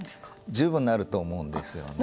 十分なると思うんですよね。